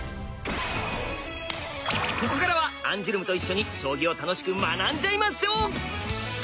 ここからはアンジュルムと一緒に将棋を楽しく学んじゃいましょう！